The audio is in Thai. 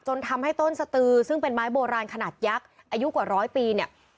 ทำให้ต้นสตือซึ่งเป็นไม้โบราณขนาดยักษ์อายุกว่าร้อยปีเนี่ย